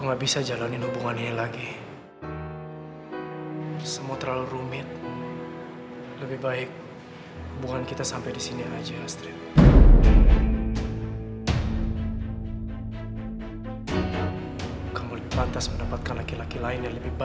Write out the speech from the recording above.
pasti dia mau bilang apaan sih apaan sih